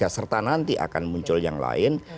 serta nanti akan muncul yang lain